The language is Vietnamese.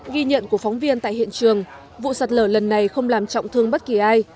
ghi nhận của phóng viên tại hiện trường vụ sạt lở lần này không làm trọng thương bất kỳ ai